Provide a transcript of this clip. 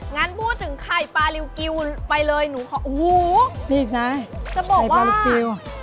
งั้นพูดถึงไข่ปลาริวกิวไปเลยโอ้โหพีชนะไข่ปลาริวกิว